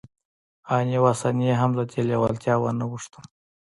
آن يوه ثانيه هم له دې لېوالتیا وانه وښتم.